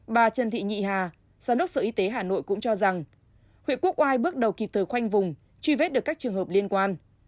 bà trần thị nhị hà giám đốc sở y tế hà nội cũng cho rằng huyện quốc oai bước đầu kịp thời khoanh vùng truy vết được các trường hợp liên quan